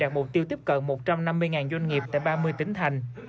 đạt mục tiêu tiếp cận một trăm năm mươi doanh nghiệp tại ba mươi tỉnh thành